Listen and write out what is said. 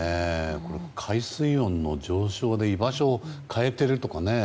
これ、海水温の上昇で居場所を変えているとかね。